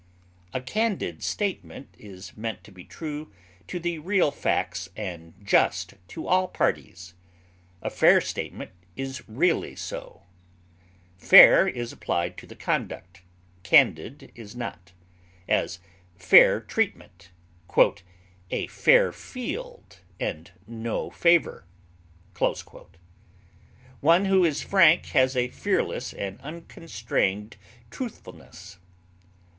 A candid statement is meant to be true to the real facts and just to all parties; a fair statement is really so. Fair is applied to the conduct; candid is not; as, fair treatment, "a fair field, and no favor." One who is frank has a fearless and unconstrained truthfulness.